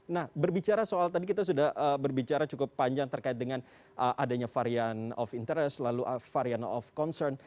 nah berbicara soal tadi kita sudah berbicara cukup panjang terkait dengan adanya varian of interest lalu varian of concern